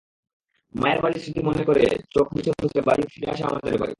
মায়ের বাড়ির স্মৃতি মনে করে চোখ মুছে মুছে ফিরে আসে আমাদের বাড়ি।